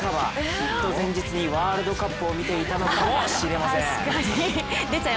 きっと前日にワールドカップを見ていたのかもしれません。